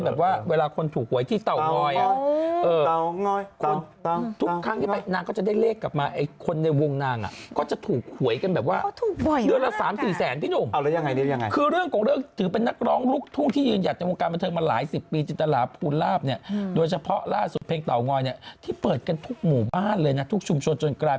แบบว่าเวลาคนถูกหวยที่เตางอยทุกครั้งที่ไปนางก็จะได้เลขกลับมา